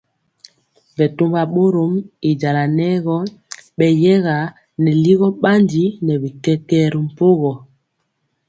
Bɛtɔmba bɔrɔm y jala nɛ gɔ beyɛga nɛ ligɔ bandi nɛ bi kɛkɛɛ ri mpogɔ.